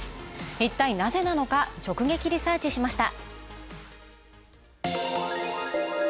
一体なぜなのか直撃リサーチしました。